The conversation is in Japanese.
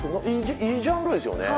いいジャンルですよね。